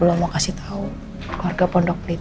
belum mau kasih tau keluarga pondok pelita